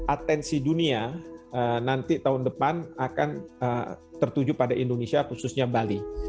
atensi dunia nanti tahun depan akan tertuju pada indonesia khususnya bali